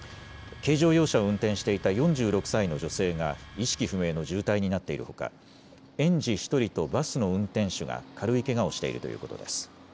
軽乗用車を運転していた４６歳の女性が意識不明の重体になっているほか、園児１人とバスの運転手が軽いけがをしているということです。